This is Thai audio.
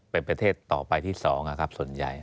เป็นประเทศต่อไปที่สองครับส่วนใหญ่